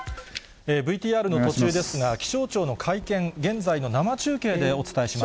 ＶＴＲの途中ですが、気象庁の会見、現在の生中継でお伝えします。